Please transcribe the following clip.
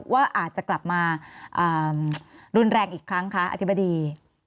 ว่าอาจจะกลับมารุนแรงอีกครั้งคะอธิบดี